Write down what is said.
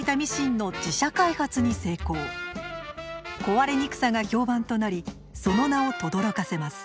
壊れにくさが評判となりその名をとどろかせます。